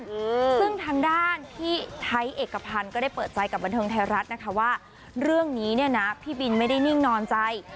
ซึ่งทางด้านพี่ไทยเอกพันธ์ก็ได้เปิดใจกับบันเทิงไทยรัฐนะคะว่าเรื่องนี้เนี่ยนะพี่บินไม่ได้นิ่งนอนใจ